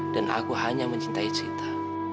dan aku hanya mencintai cinta